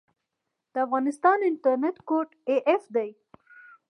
د افغانستان انټرنیټ کوډ af دی